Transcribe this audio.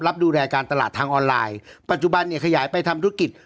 รับดูแลการตลาดทางออนไลน์ปัจจุบันเนี่ยขยายไปทำธุรกิจ